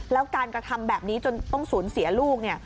แล้วการกระทำแบบนี้จนต้องสูญเสียลูกเนี่ย